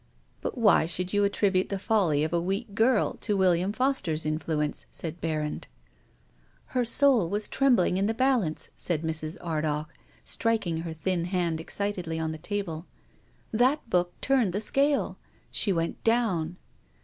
" But why should you attribute the folly of a weak girl to William Foster's influence?" said Berrand. " Her soul was trembling in the balance," said Mrs. Ardagh, striking her thin hand excitedly on the table. "That book turned the scale. She went down.